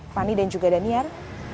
fani dan juga daniar